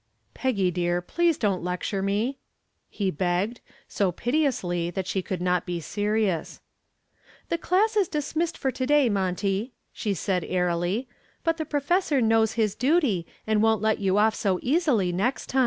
"Peggy, dear, please don't lecture me," he begged, so piteously that she could not be serious. "The class is dismissed for to day, Monty," she said, airily. "But the professor knows his duty and won't let you off so easily next time."